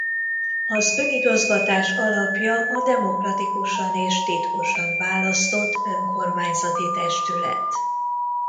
Az önigazgatás alapja a demokratikusan és titkosan választott önkormányzati testület.